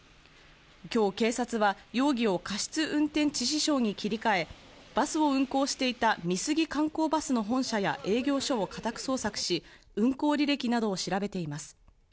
今日、警察は容疑を過失運転致死傷に切り替え、バスを運行していた美杉観光バスの本社や営業所を家宅捜索し、運行履歴などを調べています。